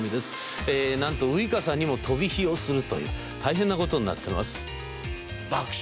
なんとウイカさんにも飛び火をするという大変な事になってます。